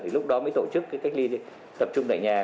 thì lúc đó mới tổ chức cái cách ly tập trung tại nhà